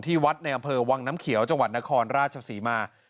วัดในอำเภอวังน้ำเขียวจังหวัดนครราชศรีมา